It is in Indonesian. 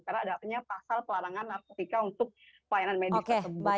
karena ada pasal pelarangan narkotika untuk pelayanan medis tersebut